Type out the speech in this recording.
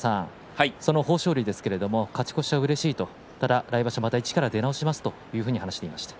豊昇龍ですが勝ち越しはうれしいまた来場所を一から出直しますと話していました。